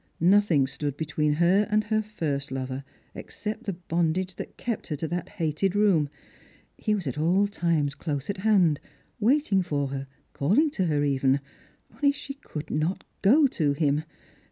No thing stood between her and her first lover, except the bondage that kept her to that hated room. He was at all times close at hand, waiting for her, calling to her even, only she could not go to him.